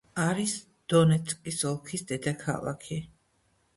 არის დონეცკის ოლქის დედაქალაქი.